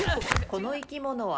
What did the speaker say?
この生き物は？